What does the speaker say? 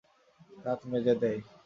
দাঁত মেজে দেয়।